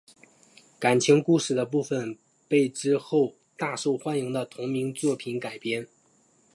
感情故事的部分被之后大受欢迎的同名作品改编。